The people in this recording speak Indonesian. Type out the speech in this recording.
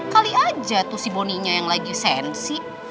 kali aja tuh si bonny nya yang lagi sensi